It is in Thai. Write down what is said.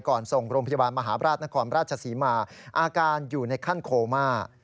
ส่งโรงพยาบาลมหาบราชนครราชศรีมาอาการอยู่ในขั้นโคม่า